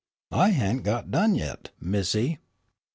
"I hadn' got done yit, Missy.